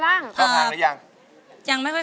มาฟังอินโทรเพลงที่๙